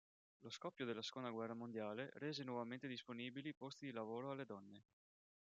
Lo scoppio della seconda guerra mondiale, rese nuovamente disponibili posti di lavoro alle donne.